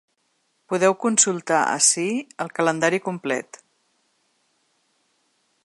Podeu consultar ací el calendari complet.